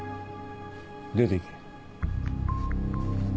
出ていけ。